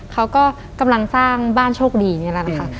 เขาก็กำลังสร้างบ้านโชคดีนี่แหละนะคะ